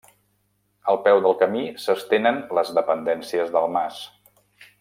Al peu del camí s'estenen les dependències del mas.